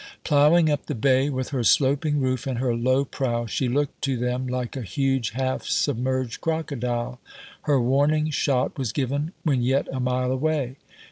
Plow ing up the bay, with her sloping roof and her low prow, she looked to them "like a huge half sub merged crocodile." Her warning shot was given when yet a mile away.